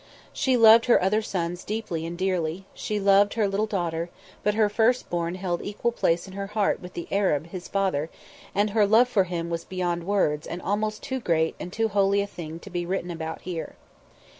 She loved her other sons deeply and dearly; she loved her little daughter; but her first born held equal place in her heart with the Arab his father, and her love for him was beyond words and almost too great and too holy a thing to be written about here.